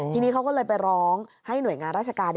ทีนี้เขาก็เลยไปร้องให้หน่วยงานราชการ